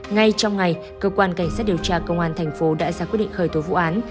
ngay trong ngày cơ quan cảnh sát điều tra công an thành phố đã ra quyết định khởi tố vụ án